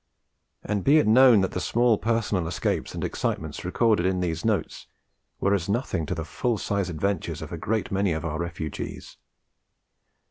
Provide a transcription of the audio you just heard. And be it known that the small personal escapes and excitements recorded in these notes, were as nothing to the full size adventures of a great many of our refugees.